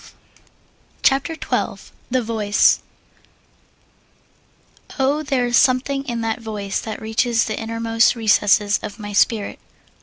] CHAPTER XII THE VOICE Oh, there is something in that voice that reaches The innermost recesses of my spirit!